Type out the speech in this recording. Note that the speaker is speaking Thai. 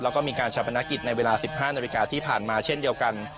แล้วก็มีการชาปนกิจในเวลา๑๕นาฬิกาที่ผ่านมาเช่นเดียวกัน